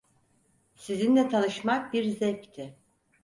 Sizinle tanışmak bir zevkti.